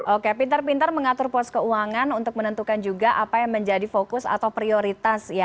oke pintar pintar mengatur pos keuangan untuk menentukan juga apa yang menjadi fokus atau prioritas ya